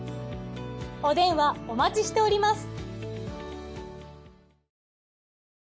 お電話お待ちしております。